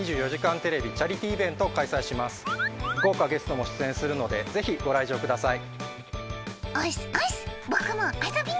豪華ゲストも出演するのでぜひご来場ください。